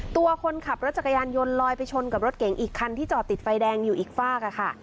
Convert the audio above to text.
ตัวคนขับรถจักรยานยนต์ลอยไปชนกับรถเก๋งอีกคันที่จอดติดไฟแดงอยู่อีกฝากค่ะ